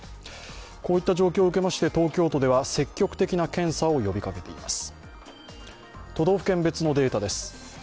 こういった状況を受けまして、東京都では積極的な検査を呼びかけています。